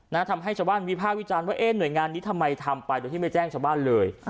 ทำให้ชาวบ้านวิภาควิจารณ์ว่าเอ๊หน่วยงานนี้ทำไมทำไปโดยที่ไม่แจ้งชาวบ้านเลย